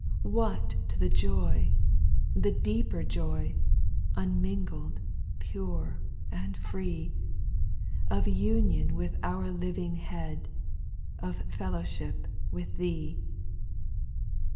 6. What to the joy, the deeper joy, Unmingled, pure, and free. Of union with our living Head, Of fellowship with Thee